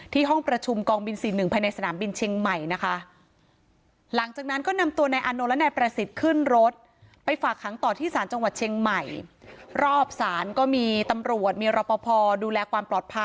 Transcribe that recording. ห้องประชุมกองบิน๔๑ภายในสนามบินเชียงใหม่นะคะ